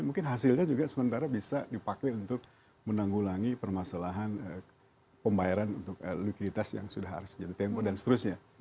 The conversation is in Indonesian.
mungkin hasilnya juga sementara bisa dipakai untuk menanggulangi permasalahan pembayaran untuk likuiditas yang sudah harus jadi tempo dan seterusnya